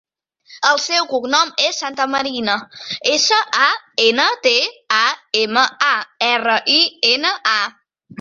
El seu cognom és Santamarina: essa, a, ena, te, a, ema, a, erra, i, ena, a.